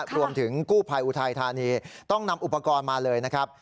รวมถึงกู้ภัยอุทัยธานีต้องนำอุปกรณ์มาเลยนะครับ